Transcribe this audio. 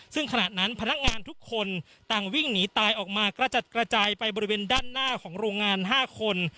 ซึ่งขณะนั้นพนักงานทุกคนต่างวิ่งหนีตายออกมากระจัดกระจายไปบริเวณด้านหน้าของโรงงาน๕คน